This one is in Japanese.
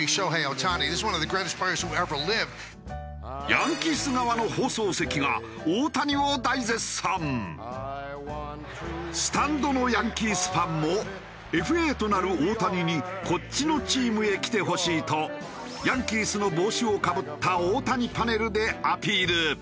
ヤンキース側の放送席がスタンドのヤンキースファンもＦＡとなる大谷にこっちのチームへ来てほしいとヤンキースの帽子をかぶった大谷パネルでアピール。